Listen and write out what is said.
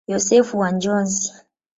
Yosefu wa Njozi.